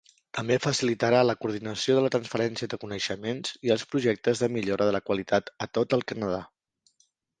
També facilitarà la coordinació de la transferència de coneixements i els projectes de millora de la qualitat a tot el Canadà.